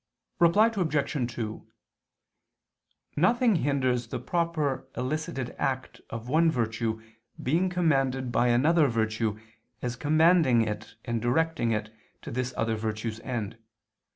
Reply Obj. 2: Nothing hinders the proper elicited act of one virtue being commanded by another virtue as commanding it and directing it to this other virtue's end.